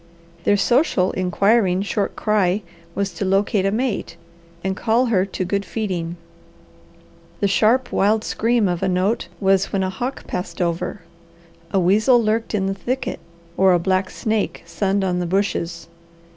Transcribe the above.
Their social, inquiring, short cry was to locate a mate, and call her to good feeding. The sharp wild scream of a note was when a hawk passed over, a weasel lurked in the thicket, or a black snake sunned on the bushes.